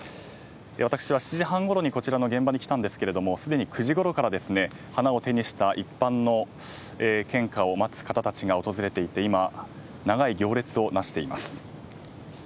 私は７時半ごろにこちらの現場に来たんですけれどもすでに９時ごろから花を手にした一般の献花を待つ方たちが訪れていて今、長い行列をなしています。